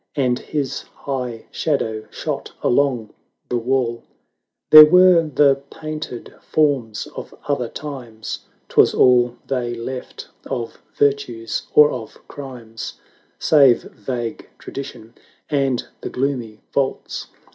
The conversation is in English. And his high shadow shot along the wall : There were the painted forms of other times, 'Twas all they left of virtues or of crimes, Save vague tradition; and the gloomy vaults Canto i.